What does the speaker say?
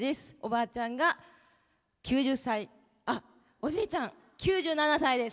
あ、おじいちゃん、９７歳です。